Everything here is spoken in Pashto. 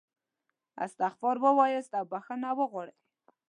استغفار ووایاست او بخښنه وغواړئ.